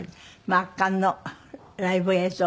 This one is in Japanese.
圧巻のライブ映像